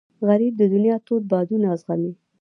غریب د دنیا تود بادونه زغمي